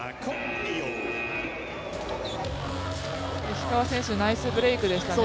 石川選手ナイスブレイクでしたね。